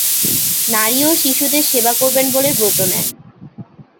নারী ও শিশুদের সেবা করবেন বলে ব্রত নেন।